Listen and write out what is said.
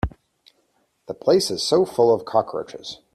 The place is so full of cockroaches.